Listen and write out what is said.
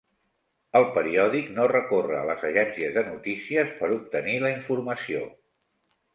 El periòdic no recorre a les agències de notícies per obtenir la informació.